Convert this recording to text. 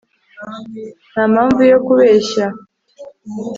ntampamvu yo kukubeshya